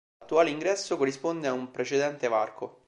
L’attuale ingresso corrisponde a un precedente varco.